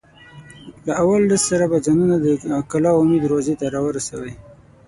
له اول ډز سره به ځانونه د کلا عمومي دروازې ته را رسوئ.